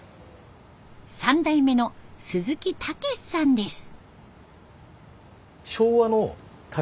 ３代目の鈴木武さんです。